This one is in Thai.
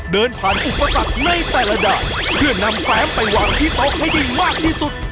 เดินผ่านอุปสรรคในแต่ละด่านเพื่อนำแฟมไปวางที่โต๊ะให้ได้มากที่สุด